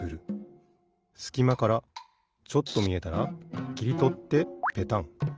すきまからちょっとみえたらきりとってペタン。